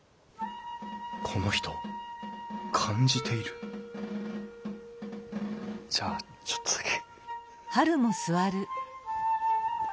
この人感じているじゃあちょっとだけ。